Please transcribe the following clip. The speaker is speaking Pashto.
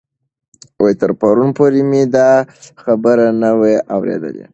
تر پرون پورې مې دا خبر نه و اورېدلی.